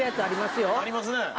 ありますね。